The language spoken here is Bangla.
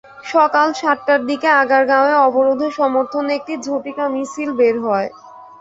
সকাল সাতটার দিকে আগারগাঁওয়ে অবরোধের সমর্থনে একটি ঝটিকা মিছিল বের করা হয়।